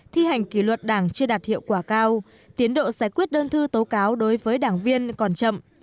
thi hành kỷ luật đảng chưa đạt hiệu quả cao tiến độ giải quyết đơn thư tố cáo đối với đảng viên còn chậm